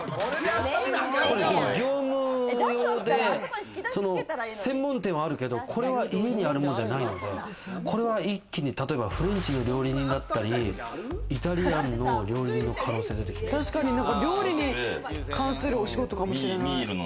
これでも業務用で、専門店はあるけど、これは家にあるものじゃないのでこれは一気にフレンチの料理人だったり、イタリアンの料理人の可料理に関するお仕事かもしれない。